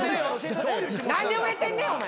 何で売れてんねんお前。